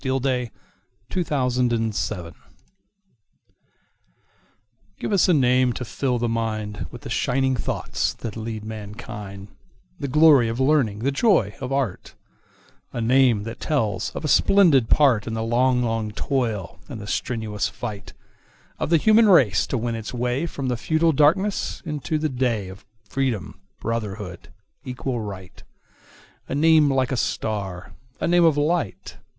Henry van Dyke The Name of France GIVE us a name to fill the mindWith the shining thoughts that lead mankind, The glory of learning, the joy of art,—A name that tells of a splendid partIn the long, long toil and the strenuous fightOf the human race to win its wayFrom the feudal darkness into the dayOf Freedom, Brotherhood, Equal Right,—A name like a star, a name of light.